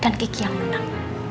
dan kiki yang menang